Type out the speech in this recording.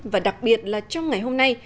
và đặc biệt là trong ngày hôm nay